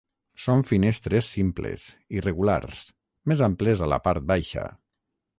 Són finestres simples, irregulars, més amples a la part baixa.